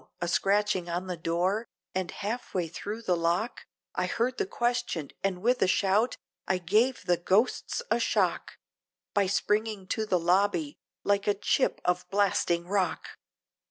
a scratching on the door, and half way thro' the lock, I heard the question, and with shout, I gave the ghosts a shock, By springing to the lobby, like a chip of blasting rock!